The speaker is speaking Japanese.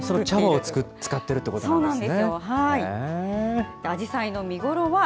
茶葉に使っているということなんですね。